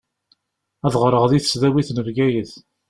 Ad ɣṛeɣ di tesdawit n Bgayet.